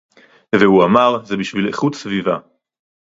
והוא אמר: זה בשביל איכות סביבה